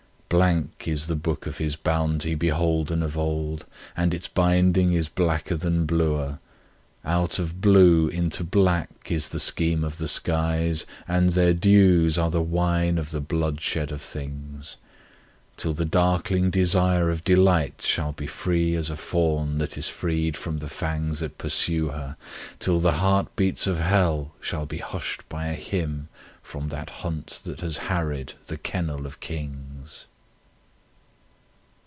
Blank is the book of his bounty beholden of old, and its binding is blacker than bluer; Out of blue into black is the scheme of the skies, and their dews are the wine of the bloodshed of things; Till the darkling desire of delight shall be free as a fawn that is freed from the fangs that pursue her, Till the heartbeats of hell shall be hushed by a hymn from that hunt that has harried the kennel of kings.